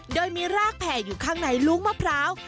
โดยมีรากแผ่อยู่ข้างในลูกมะพร้าว